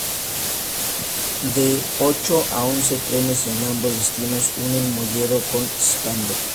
De ocho a once trenes en ambos destinos unen Molledo con Santander.